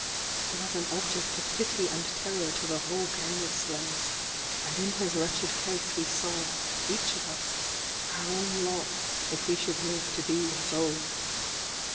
He was an object of pity and terror to the whole gang of slaves, and in his wretched case we saw, each of us, our own lot, if we should live to be as old.